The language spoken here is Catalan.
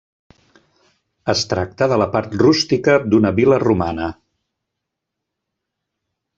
Es tracta de la part rústica d'una vil·la romana.